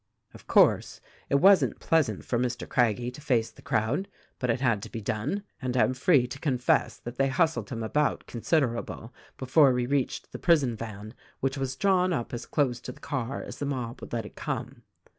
"Of course, it wasn't pleasant for Mr. Craggie to face the crowd ; but it had to be done ; and I am free to confess that they hustled him about considerable before we reached the prison van, which was drawn up as close to the car as the mob would let it come.